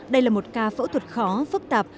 đây là một ca phẫu thuật khó phức tạp